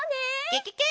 ケケケ！